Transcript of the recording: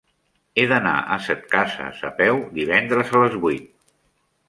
He d'anar a Setcases a peu divendres a les vuit.